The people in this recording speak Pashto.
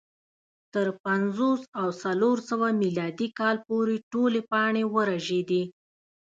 تر پنځوس او څلور سوه میلادي کاله پورې ټولې پاڼې ورژېدې